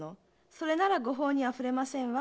それなら御法には触れませんわ。